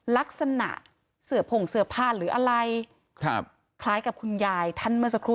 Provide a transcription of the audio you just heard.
ลักษณะเสือผงเสื้อผ้าหรืออะไรครับคล้ายกับคุณยายท่านเมื่อสักครู่